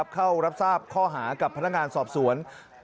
เข้ารับทราบข้อหากับพนักงานสอบสวน